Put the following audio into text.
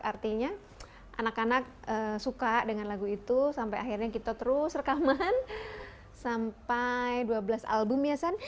artinya anak anak suka dengan lagu itu sampai akhirnya kita terus rekaman sampai dua belas album yasan